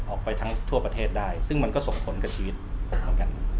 ออกไปทั้งทั่วประเทศได้ซึ่งมันก็ส่งผลกับชีวิตเหมือนกัน